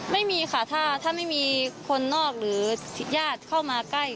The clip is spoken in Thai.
ไม่มีค่ะถ้าไม่มีคนนอกหรือญาติเข้ามาใกล้